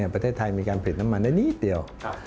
ประเทศไทยมีการผลิตน้ำมันได้นิดเดียว